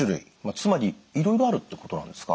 つまりいろいろあるってことなんですか？